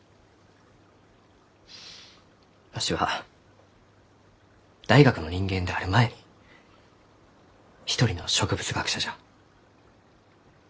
わしは大学の人間である前に一人の植物学者じゃ。